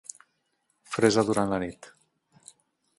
Fresa durant la nit.